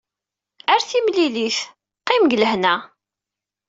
Ar timlilit, qqim deg lehna.